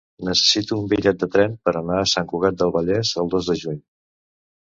Necessito un bitllet de tren per anar a Sant Cugat del Vallès el dos de juny.